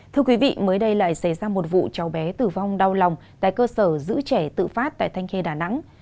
thưa quý vị mới đây lại xảy ra một vụ cháu bé tử vong đau lòng tại cơ sở giữ trẻ tự phát tại thanh khê đà nẵng